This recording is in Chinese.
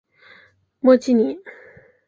莫济里。